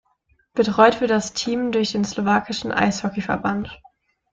Betreut wird das Team durch den Slowakischen Eishockeyverband.